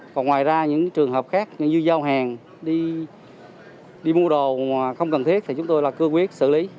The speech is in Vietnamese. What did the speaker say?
còn ngoài ra những trường hợp khác như giao hàng đi mua đồ mà không cần thiết thì chúng tôi là cương quyết xử lý